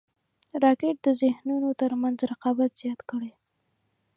راکټ د ذهنونو تر منځ رقابت زیات کړی